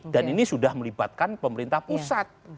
dan ini sudah melibatkan pemerintah pusat